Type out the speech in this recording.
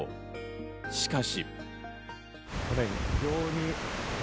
しかし。